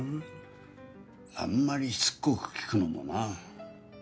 あんまりしつっこく聞くのもな。